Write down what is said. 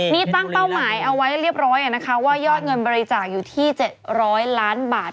นี่ตั้งเป้าหมายเอาไว้เรียบร้อยนะคะว่ายอดเงินบริจาคอยู่ที่๗๐๐ล้านบาท